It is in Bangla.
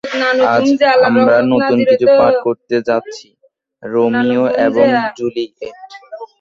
আজ আমরা নতুন কিছু পাঠ করতে যাচ্ছি - রোমিও এবং জুলিয়েট।